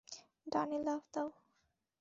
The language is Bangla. ডানে লাফ দাও।